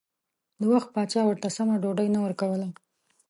د وخت پاچا ورته سمه ډوډۍ نه ورکوله.